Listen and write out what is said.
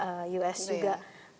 masalah waktu itu kan dia dari us juga